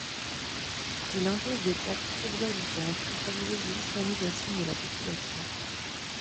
Il impose des taxes exorbitantes et favorise l'islamisation de la population.